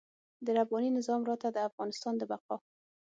د رباني نظام راته د افغانستان د بقا.